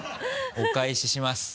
「お返しします